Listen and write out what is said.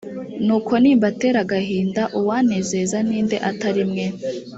kuko nimbatera agahinda uwanezeza ni nde atari mwe